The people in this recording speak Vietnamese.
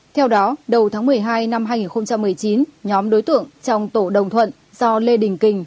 theo đó đầu tháng một mươi hai năm hai nghìn một mươi chín nhóm đối tượng trong tổ đồng thuận do lê đình kình